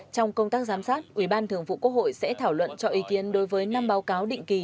trong công tác giám sát ủy ban thường vụ quốc hội sẽ thảo luận cho ý kiến đối với năm báo cáo định kỳ